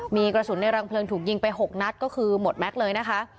มีกระสุนในรังเพลิงถูกยิงไป๖นัดก็คือหมดแม็กซ์เลยนะคะ